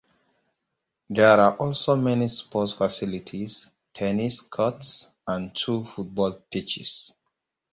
There are also many sports facilities, tennis courts, and two football pitches.